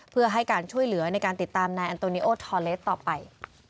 เพื่อให้การช่วยเหลือในการติดตามนายอันโตนิโอทอเลสต่อไป